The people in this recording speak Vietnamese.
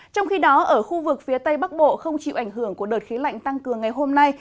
trong khi đó ở khu vực phía tây bắc bộ không chịu ảnh hưởng của đợt khí lạnh tăng cường ngày hôm nay